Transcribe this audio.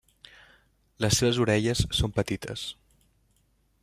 Les seves orelles són petites.